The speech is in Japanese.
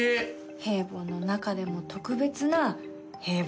平凡の中でも特別な平凡。